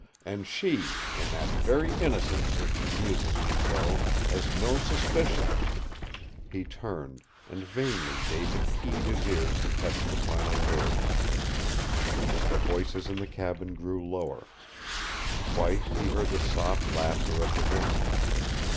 And she, in that very innocence which amuses me so, has no suspicion " He turned, and vainly David keyed his ears to catch the final words. The voices in the cabin grew lower. Twice he heard the soft laughter of the woman.